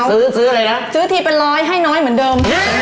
ซื้อซื้ออะไรนะซื้อทีเป็นร้อยให้น้อยเหมือนเดิม